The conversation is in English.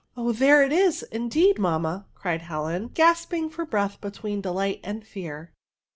Oh, there it is, indeed, mamma/' cried Helen, gasping for breath between delight and fear.